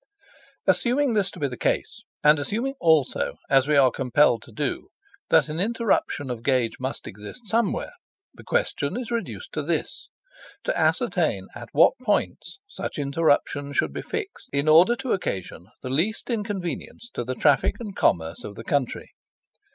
Assuming this to be the case, and assuming also, as we are compelled to do, that an interruption of gauge must exist somewhere, the question is reduced to this: to ascertain at what points such interruption should be fixed in order to occasion the least inconvenience to the traffic and commerce of the country.